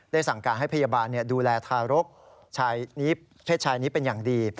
สั่งการให้พยาบาลดูแลทารกเพศชายนี้เป็นอย่างดี